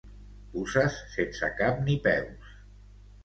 Puces sense cap ni peus.